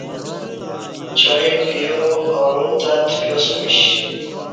چائ پیا اݣاتہ تپیاسمیش